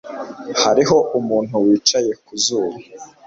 Hariho umuntu wicaye ku zuba